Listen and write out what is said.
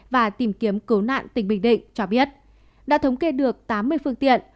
và tìm kiếm cứu nạn tỉnh bình định cho biết đã thống kê được tám mươi phương tiện